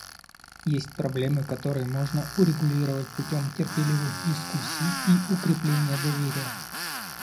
Есть проблемы, которые можно урегулировать путем терпеливых дискуссий и укрепления доверия.